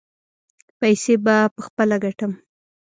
پیسې به پخپله ګټم.